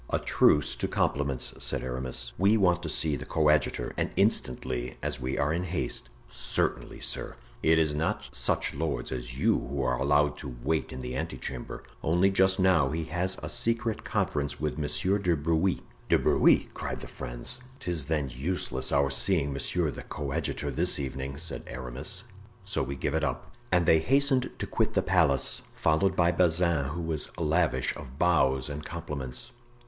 "A truce to compliments," said Aramis; "we want to see the coadjutor, and instantly, as we are in haste." "Certainly, sir—it is not such lords as you are who are allowed to wait in the ante chamber, only just now he has a secret conference with Monsieur de Bruy." "De Bruy!" cried the friends, "'tis then useless our seeing monsieur the coadjutor this evening," said Aramis, "so we give it up." And they hastened to quit the palace, followed by Bazin, who was lavish of bows and compliments.